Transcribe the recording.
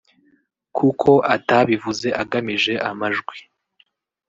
kuko atabivuze agamije amajwi